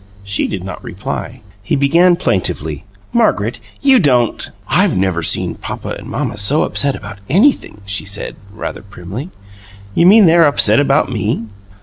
She did not reply. He began plaintively, "Margaret, you don't " "I've never seen papa and mamma so upset about anything," she said, rather primly. "You mean they're upset about ME?"